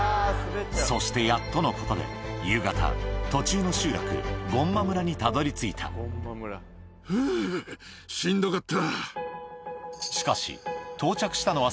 そしてやっとのことで夕方途中の集落ゴンマ村にたどり着いたふぅしんどかった。